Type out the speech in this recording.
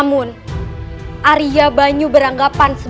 dan terus bikin pencuri